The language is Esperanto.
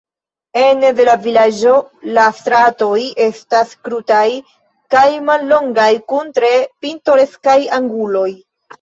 Ene de la vilaĝo la stratoj estas krutaj kaj mallongaj, kun tre pitoreskaj anguloj.